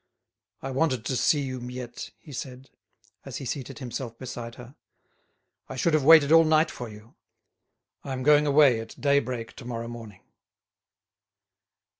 "I wanted to see you, Miette," he said, as he seated himself beside her. "I should have waited all night for you. I am going away at daybreak to morrow morning."